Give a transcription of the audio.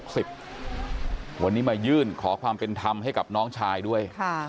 ชุดพิสูจน์หลักฐานวันนี้มายื่นขอความเป็นธรรมให้กับน้องชายด้วย